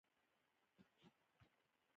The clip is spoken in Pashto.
یوه لویه دښته شروع کېږي.